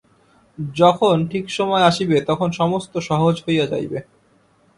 যখন ঠিক সময় আসিবে তখন সমস্ত সহজ হইয়া যাইবে।